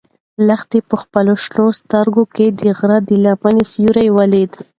لښتې په خپلو شنه سترګو کې د غره د لمنې سیوری ولید.